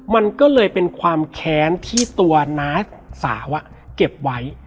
มันก็เลยเป็นความแค้นที่ตัวน้าสาวเก็บไว้